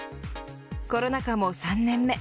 コロナ禍も３年目。